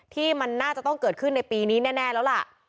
ที่มันน่าจะต้องเกิดขึ้นในปีนี้แน่แล้วล่ะ